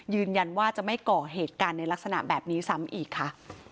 ยืนยันว่าจะไม่ก่อเหตุการณ์ในลักษณะแบบนี้ซ้ำอีกค่ะ